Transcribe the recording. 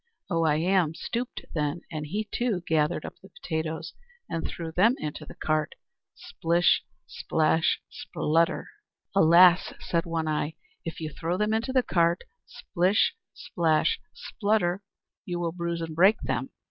Oh I Am stooped then, and he, too, gathered up the potatoes; and he threw them into the cart splish splash splutter! "Alas!" said One Eye, "if you throw them into the cart, splish splash splutter, you will bruise and break them.